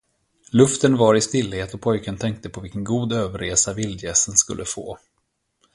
Luften var i stillhet och pojken tänkte på vilken god överresa vildgässen skulle få.